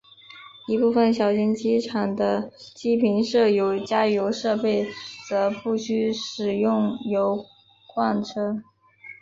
一部份小型机场的机坪设有加油设备则不需使用油罐车。